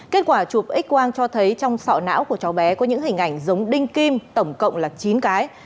kết quả chụp x quang cho thấy trong sọ não của cháu bé có những hình ảnh giống đinh kim tổng cộng là chín cái